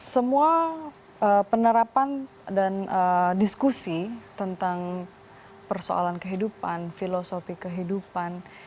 semua penerapan dan diskusi tentang persoalan kehidupan filosofi kehidupan